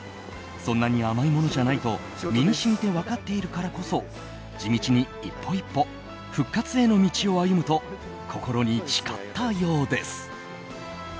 そんなに甘いものじゃないと身に染みて分かっているからこそ地道に一歩一歩復活への道を歩むと心に誓ったようです。